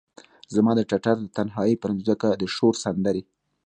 زما د ټټر د تنهایې پرمځکه د شور سندرې،